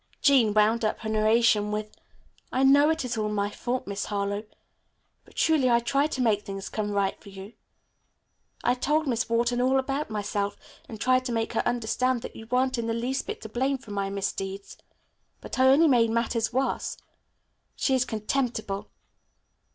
Jean wound up her narration with, "I know it is all my fault, Miss Harlowe, but truly I tried to make things come right for you. I told Miss Wharton all about myself and tried to make her understand that you weren't in the least to blame for my misdeeds. But I only made matters worse. She is contemptible."